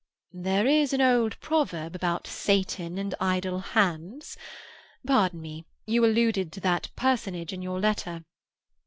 "There is an old proverb about Satan and idle hands. Pardon me; you alluded to that personage in your letter."